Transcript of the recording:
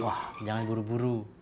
wah jangan buru buru